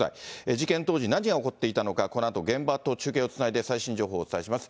事件当時、何が起こっていたのか、このあと現場と中継をつないで最新情報をお伝えします。